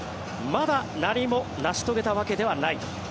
まだ何も成し遂げたわけではないと。